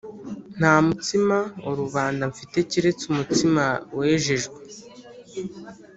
ati “Nta mutsima wa rubanda mfite keretse umutsima wejejwe”